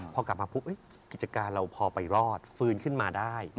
พอกลับมาปุ๊บกิจการเราพอไปรอดฟื้นขึ้นมาได้